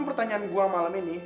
pertanyaan gue malam ini